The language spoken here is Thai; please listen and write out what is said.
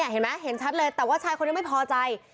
เห็นไหมเห็นชัดเลยแต่ว่าชายคนนี้ไม่พอใจ